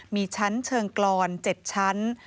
มีชั้นเชิงกรอน๗ชั้น